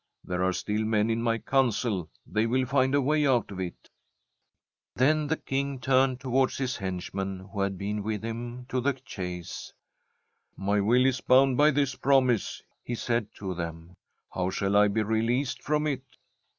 There are still men in mv Council; thev will find a way out of ixr [190 J ASTRID ' Then the King turned towards his henchmen who had been with him to the chase. *" My will is bound by this promise," he said to them. " How shall I be released from it?